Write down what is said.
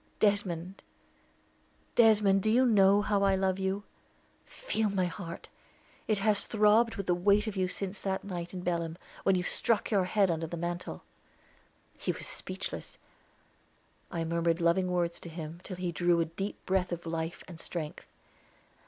"Desmond, Desmond, do you know how I love you? Feel my heart, it has throbbed with the weight of you since that night in Belem, when you struck your head under the mantel." He was speechless. I murmured loving words to him, till he drew a deep breath of life and strength.